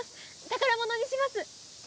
宝物にします！